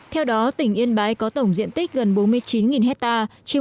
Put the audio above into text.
theo đó tỉnh yên bái có tổng diện tích gần bốn mươi chín hectare